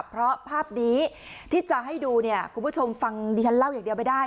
เพราะภาพนี้ที่จะให้ดูเนี่ยคุณผู้ชมฟังดิฉันเล่าอย่างเดียวไม่ได้